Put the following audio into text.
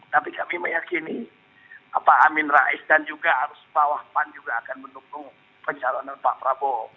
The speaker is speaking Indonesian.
tapi kami meyakini pak amin rais dan juga arus bawah pan juga akan mendukung pencalonan pak prabowo